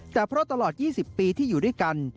แต่เพราะตลอด๒๐ปีที่อยู่ด้วยกัน